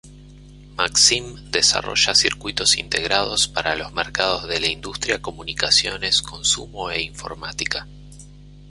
Maxim desarrolla circuitos integrados para los mercados de la industria, comunicaciones, consumo e informática.